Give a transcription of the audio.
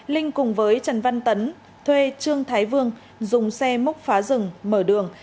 linh cùng với trần văn tấn thuê trương thái vương dùng xe móc phá rừng mở đường